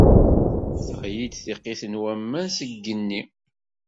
Teɣli-d tiqit n waman seg igenni.